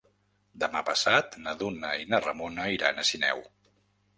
Demà passat na Duna i na Ramona iran a Sineu.